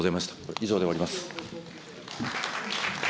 以上で終わります。